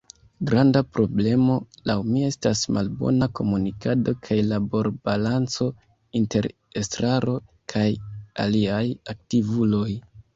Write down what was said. Granda problemo laŭ mi estas malbona komunikado kaj laborbalanco inter Estraro kaj aliaj aktivuloj.